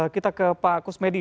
kita ke pak kusmedi